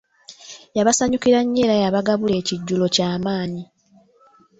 Yabasanyukira nnyo era yabagabula ekijjulo kyamanyi.